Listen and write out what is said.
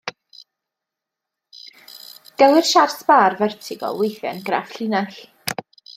Gelwir siart bar fertigol weithiau'n graff llinell.